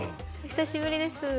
お久しぶりです